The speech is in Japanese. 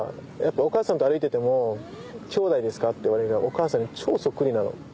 お母さんと歩いてても「きょうだいですか？」って言われるぐらいお母さんに超そっくりなの。